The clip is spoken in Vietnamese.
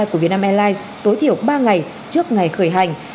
của việt nam airlines tối thiểu ba ngày trước ngày khởi hành